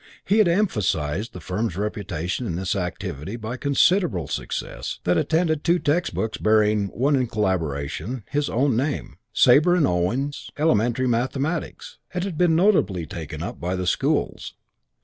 He had emphasized the firm's reputation in this activity by the considerable success that attended two textbooks bearing (one in collaboration) his own name. "Sabre and Owen's Elementary Mathematics" had been notably taken up by the schools.